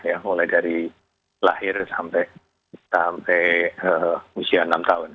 ya mulai dari lahir sampai usia enam tahun